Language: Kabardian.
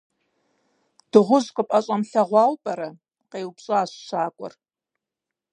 - Дыгъужь къыпӏэщӏэмылъэгъуауэ пӏэрэ? - къеупщӏащ щакӏуэр.